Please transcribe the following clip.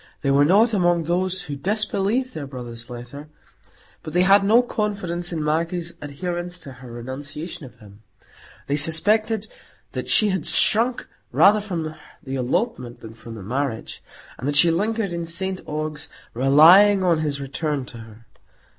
They were not among those who disbelieved their brother's letter; but they had no confidence in Maggie's adherence to her renunciation of him; they suspected that she had shrunk rather from the elopement than from the marriage, and that she lingered in St Ogg's, relying on his return to her.